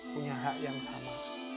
punya hak yang sama